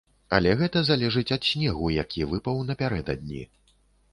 Але гэта залежыць ад снегу, які выпаў напярэдадні.